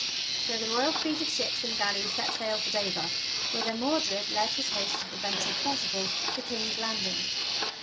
So the royal fleet of ships and galleys set sail for Dover, whither Mordred led his host to prevent, if possible, the King's landing.